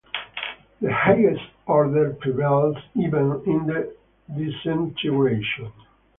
The Highest Order prevails even in the disintegration.